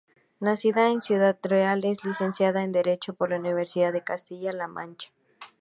Nacida en Ciudad Real, es licenciada en Derecho por la Universidad de Castilla-La Mancha.